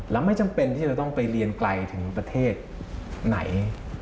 แล้วไม่จำเป็นที่จะต้องไปเรียนไกลถึงประเทศไหน